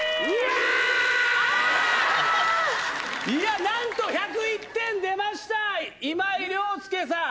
いや、なんと１０１点出ました、今井了介さん。